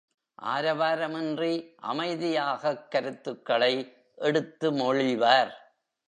ஆரவாரமின்றி அமைதியாகக் கருத்துகளை எடுத்து மொழிவார்.